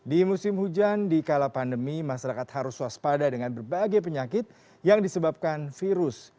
di musim hujan di kala pandemi masyarakat harus waspada dengan berbagai penyakit yang disebabkan virus